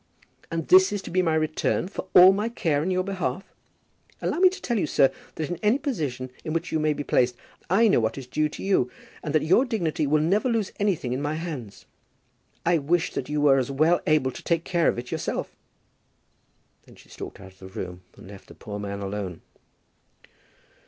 "And this is to be my return for all my care in your behalf! Allow me to tell you, sir, that in any position in which you may be placed I know what is due to you, and that your dignity will never lose anything in my hands. I wish that you were as well able to take care of it yourself." Then she stalked out of the room, and left the poor man alone.